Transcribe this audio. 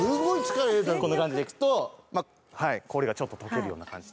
こんな感じでいくと氷がちょっと溶けるような感じ。